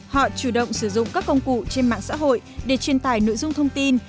họ chủ động sử dụng các công cụ trên mạng xã hội để truyền tải nội dung thông tin